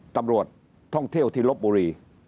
ตำรวจท่องเที่ยวที่ลบบุรี